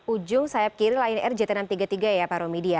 ujung sayap kiri lion air jt enam ratus tiga puluh tiga ya pak romidi ya